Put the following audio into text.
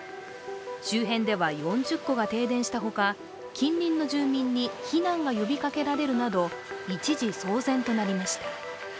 周辺では４０戸が停電したほか、近隣の住民に避難が呼びかけられるなど、一時騒然となりました。